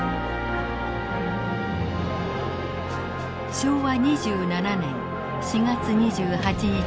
昭和２７年４月２８日。